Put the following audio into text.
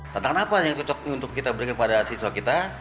tantangan apa yang cocok untuk kita berikan pada siswa kita